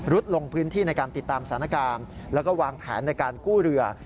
ลงพื้นที่ในการติดตามสถานการณ์แล้วก็วางแผนในการกู้เรือ